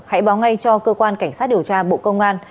hãy báo ngay cho cơ quan cảnh sát điều tra bộ công an